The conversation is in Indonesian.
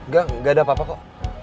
ga gaada apa apa kok